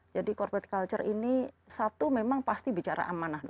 jadi corporate culture ini satu memang pasti bicara amanah